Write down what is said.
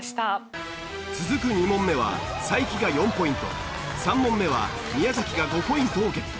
続く２問目は才木が４ポイント３問目は宮崎が５ポイントをゲット。